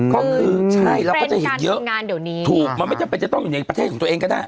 ก็คือใช่เราก็จะเห็นเยอะงานเดี๋ยวนี้ถูกมันไม่จำเป็นจะต้องอยู่ในประเทศของตัวเองก็ได้